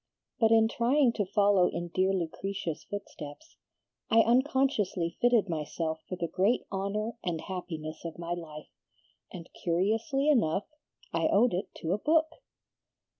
But in trying to follow in dear Lucretia's footsteps, I unconsciously fitted myself for the great honor and happiness of my life, and curiously enough I owed it to a book."